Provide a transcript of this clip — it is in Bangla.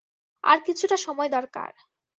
আর কিছুটা সময় দরকার!